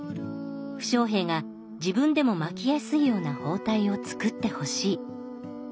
負傷兵が自分でも巻きやすいような包帯を作ってほしい。